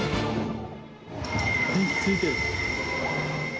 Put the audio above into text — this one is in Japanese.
電気ついてる。